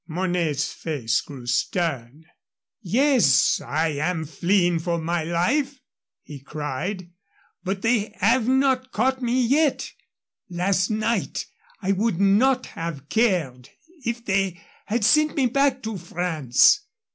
Mornay's face grew stern. "Yes, I am fleeing for my life," he cried, "but they have not caught me yet. Last night I would not have cared if they had sent me back to France.